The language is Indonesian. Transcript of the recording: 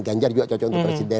ganjar juga cocok untuk presiden